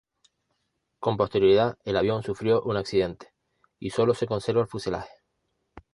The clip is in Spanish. Con posterioridad el avión sufrió un accidente, y solo se conserva el fuselaje.